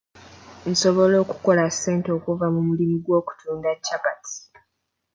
Nsobola okukola ssente okuva mu mulimu gw'okutunda capati .